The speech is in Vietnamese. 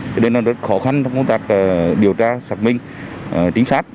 thế nên là rất khó khăn trong công tác điều tra xác minh tính chất